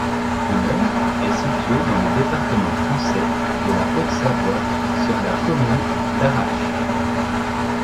L'immeuble est situé dans le département français de la Haute-Savoie, sur la commune d'Arâches.